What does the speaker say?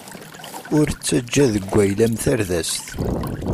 Ur ttaǧǧa deg wayla-m tardest.